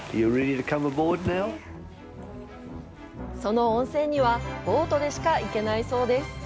その温泉にはボートでしか行けないそうです。